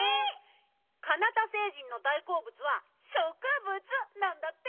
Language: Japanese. カナタ星人の大こうぶつはしょくぶつなんだって。